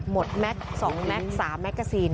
พวกมันต้องกินกันพี่